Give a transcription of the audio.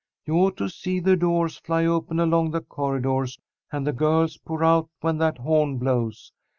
You ought to see the doors fly open along the corridors, and the girls pour out when that horn blows.